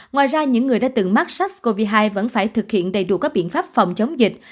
ngoài ra những người đã từng mắc sars cov hai vẫn phải thực hiện đầy đủ các biện pháp phòng chống dịch